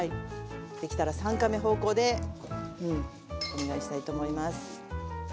できたら３カメ方向でお願いしたいと思います。